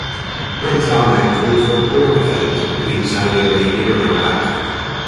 Prince Ahmed called for a "border fence" between Saudi Arabia and Iraq.